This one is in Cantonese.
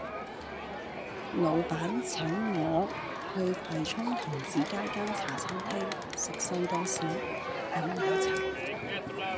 老闆請我去葵涌童子街間餐廳食西多士飲奶茶